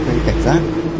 cái cảnh sát